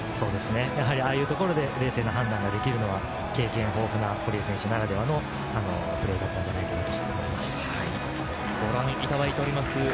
やはりああいうところで冷静な判断ができるのは経験豊富な堀江選手ならではのプレーだったんじゃないかなと思います。